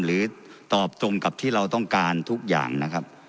หรือตอบตรงกับที่เราต้องการทุกอย่างนะครับ